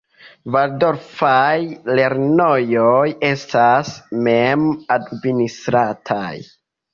Valdorfaj lernejoj estas mem-administrataj.